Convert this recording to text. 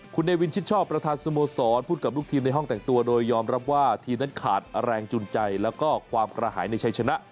คุณเนวินชิดชอบประธานสโมสรพูดกับลูกทีมในห้องแต่งตัวโดยยอมรับว่าทีมนั้นขาดแรงจุนใจแล้วก็ความกระหายในชัยชนะ